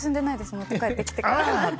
持って帰ってきてから。